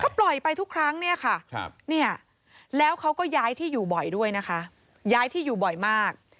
ปล่อยไปทุกครั้งเนี่ยค่ะแล้วเขาก็ย้ายที่อยู่บ่อยด้วยนะคะย้ายที่อยู่บ่อยมาก